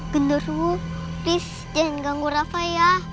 gondoruo please jangan ganggu rafa ya